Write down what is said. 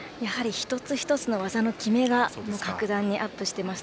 一つ一つの技の極めが格段にアップしています。